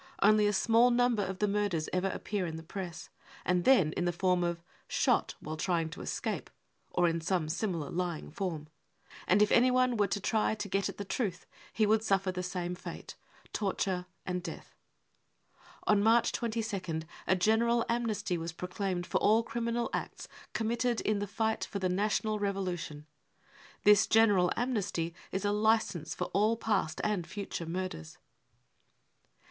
Only a small number of the murders ever appear in the Press, and then in the form of ££ shot while trying to escape " or in some similar lying form ; and if anyone were to try ! to $et at the truth, he would suffer the same fate : torture and death. * On March 22nd a general amnesty was proclaimed for all criminal acts ££ committed in the fight for the national revolution. 53 This general amnesty is a licence for all past and future murders.